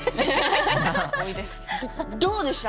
どうでした？